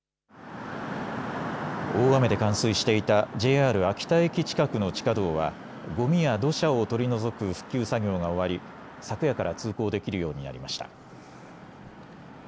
大雨で冠水していたＪＲ秋田駅近くの地下道はごみや土砂を取り除く復旧作業が終わり昨夜から通行できるようになりました。